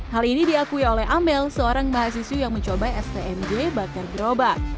hal ini diakui oleh amel seorang mahasiswi yang mencoba stmj bakar gerobak